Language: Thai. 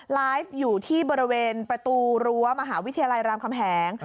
ไลฟ์อยู่ที่บริเวณประตูรั้วมหาวิทยาลัยรามคำแหง